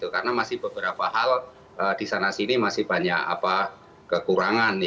karena masih beberapa hal di sana sini masih banyak kekurangan